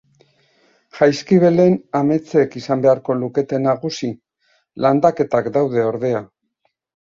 Jaizkibelen ametzek izan beharko lukete nagusi. Landaketak daude, ordea.